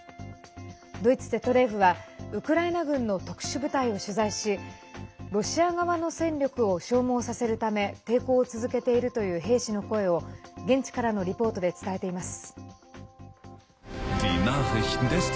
ドイツＺＤＦはウクライナ軍の特殊部隊を取材しロシア側の戦力を消耗させるため抵抗を続けているという兵士の声を、現地からのリポートで伝えています。